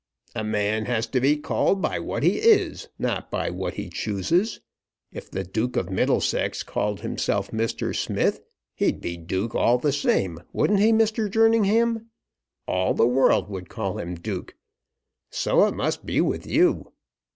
"A man has to be called by what he is, not by what he chooses. If the Duke of Middlesex called himself Mr. Smith, he'd be Duke all the same; wouldn't he, Mr. Jerningham? All the world would call him Duke. So it must be with you.